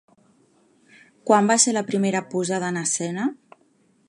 Quan va ser la primera posada en escena?